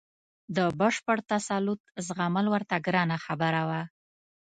د بشپړ تسلط زغمل ورته ګرانه خبره وه.